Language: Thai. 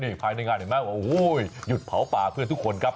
นี่ไปในงานเห็นมั้ยอยุดเผาป่าทุกคนครับ